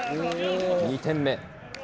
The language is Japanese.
２点目。